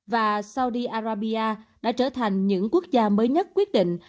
và saudi arabia đã trở thành những quốc gia mới nhất quyết định